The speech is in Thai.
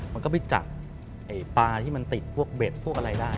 มันก็ไปจักปลาที่มันติดตรงเปล็ดพวกอะไรล่ะ